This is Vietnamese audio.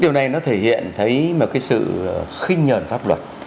điều này nó thể hiện thấy một cái sự khinh nhờn pháp luật